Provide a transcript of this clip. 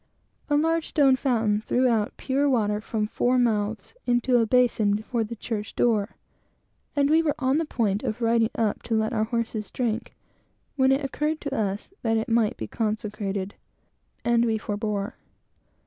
A large stone fountain threw out pure water, from four mouths, into a basin, before the church door; and we were on the point of riding up to let our horses drink, when it occurred to us that it might be consecrated, and we forbore.